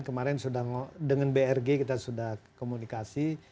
kemarin sudah dengan brg kita sudah komunikasi